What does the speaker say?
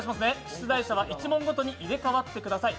出題者は１問ごとに入れ替わってください。